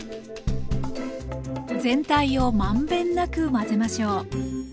全体を満遍なく混ぜましょう。